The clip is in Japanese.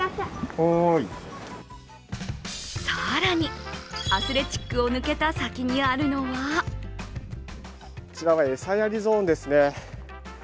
更にアスレチックを抜けた先にあるのはこちらは餌やりゾーンですね。